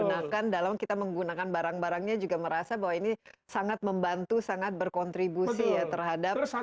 betul terus satu lagi mbak desi kalau kita menggunakan barang barangnya juga merasa bahwa ini sangat membantu sangat berkontribusi ya terhadap kreativitas